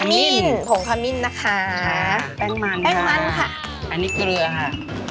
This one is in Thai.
มิ้นผงขมิ้นนะคะแป้งมันแป้งมันค่ะอันนี้เกลือค่ะ